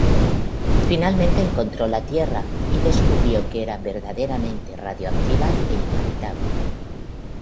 Finalmente encontró la Tierra y descubrió que era verdaderamente radioactiva e inhabitable.